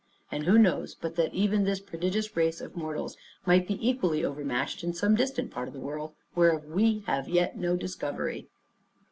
And who knows but that even this prodigious race of mortals might be equally overmatched in some distant part of the world, whereof we have yet no discovery.